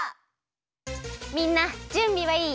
みんなじゅんびはいい？